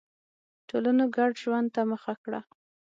ټولنو ګډ ژوند ته مخه کړه.